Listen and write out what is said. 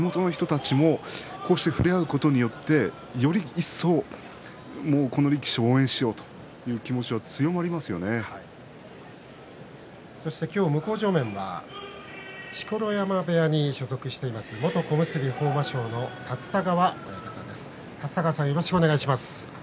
また地元の人たちもこうして触れることによってより一層この力士を応援しようと向正面は錣山部屋に所属しています元小結・豊真将の立田川親方です。